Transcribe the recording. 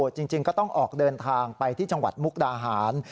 จริงก็ต้องออกเดินทางไปที่จังหวัดมุกดาหาร